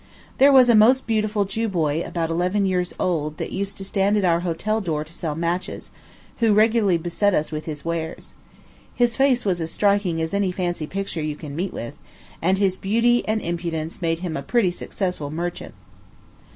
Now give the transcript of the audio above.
There was a most beautiful Jew boy, about eleven years old, that used to stand at our hotel door to sell matches, who regularly beset us with his wares. His face was as striking as any fancy picture you can meet with, and his beauty and impudence made him a pretty successful merchant.